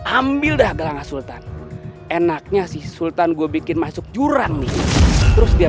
ambil dah gelang asyik sultan enaknya sih sultan gua bikin masuk jurang nih terus dia